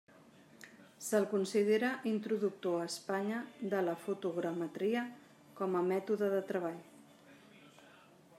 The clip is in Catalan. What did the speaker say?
Se'l considera introductor a Espanya de la fotogrametria com a mètode de treball.